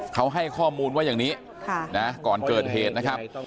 เขาให้ข้อมูลว่าอย่างนี้ก่อนเกิดเหตุนะครับ